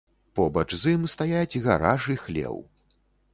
Побач з ім стаяць гараж і хлеў.